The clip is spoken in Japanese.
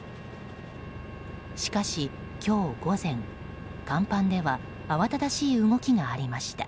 しかし今日午前、甲板では慌ただしい動きがありました。